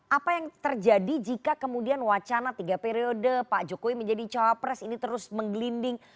apa yang terjadi jika kemudian wacana tiga periode pak jokowi menjadi cawapres ini terus menggelinding